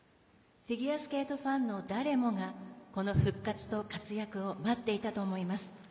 フィギュアスケートファンの誰もが、この復活と活躍を待っていたと思います。